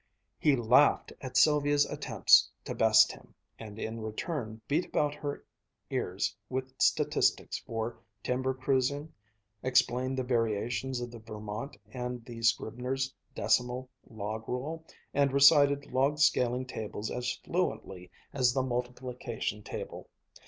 He laughed at Sylvia's attempts to best him, and in return beat about her ears with statistics for timber cruising, explained the variations of the Vermont and the scribner's decimal log rule, and recited log scaling tables as fluently as the multiplication table.